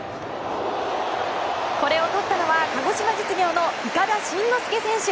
これをとったのは鹿児島実業の筏伸之助選手。